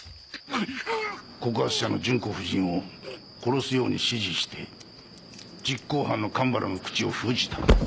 告発者の純子夫人を殺すように指示して実行犯の神原の口を封じた。